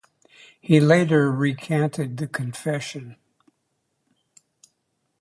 He later recanted the confession.